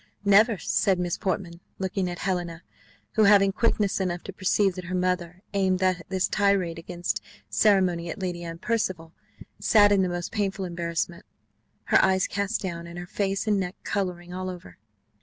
"Never," said Miss Portman, looking at Helena; who, having quickness enough to perceive that her mother aimed this tirade against ceremony at Lady Anne Percival, sat in the most painful embarrassment, her eyes cast down, and her face and neck colouring all over.